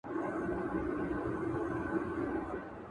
• چي نړیږي که له سره آبادیږي -